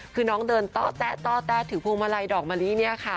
คือน้องเดินต้อแต๊ะถือพวงมาลัยดอกมะลิเนี่ยค่ะ